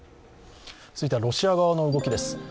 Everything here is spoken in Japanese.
続いては、ロシア側の動きです。